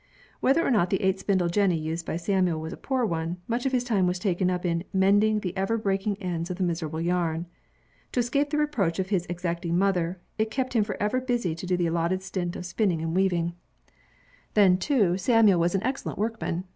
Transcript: Whether or not the eight spindle jenny used by Samuel was a poor one, much of his time was taken up in "mending the ever breaking ends of his miserable yarn." To escape the reproach of his exacting mother, it kept him forever busy to do the allotted stint of spinning and weaving. lOO INVENTIONS OF MANUFACTURE AND PRODUCTION Then, too, Samuel was an excellent workman.